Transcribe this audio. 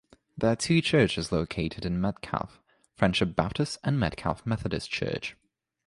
There are two churches located in Metcalfe, Friendship Baptist and Metcalfe Methodist Church.